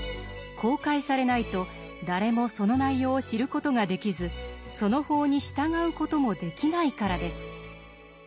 公開されないと誰もその内容を知る事ができずその法に従う事もできないからです。